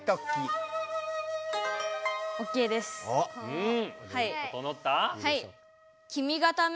うん！